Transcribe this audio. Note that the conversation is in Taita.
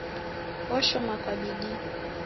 Oshoma kwa bidii